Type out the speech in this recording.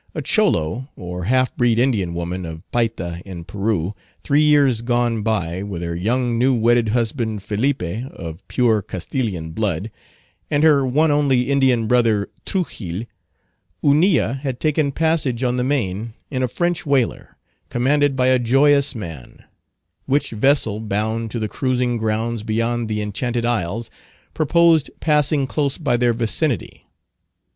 A Cholo, or half breed Indian woman of Payta in Peru, three years gone by, with her young new wedded husband Felipe, of pure Castilian blood, and her one only Indian brother, Truxill, Hunilla had taken passage on the main in a French whaler, commanded by a joyous man; which vessel, bound to the cruising grounds beyond the Enchanted Isles, proposed passing close by their vicinity.